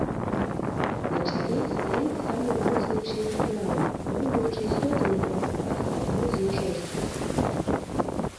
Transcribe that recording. На чале стаіць самы моцны член клана, камандуючы істотамі праз страх, пагрозы і жорсткасць.